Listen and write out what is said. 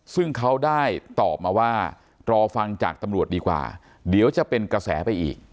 ซึ่งเขาได้ตอบมาว่ารอฟังจากตำรวจดีกว่าเดี๋ยวจะเป็นกระแสไปอีก